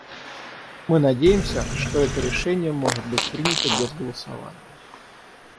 Мы надеемся, что это решение может быть принято без голосования.